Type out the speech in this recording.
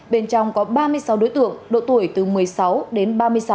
bên trong có ba mươi sáu đối tượng độ tuổi từ một mươi sáu đến ba mươi sáu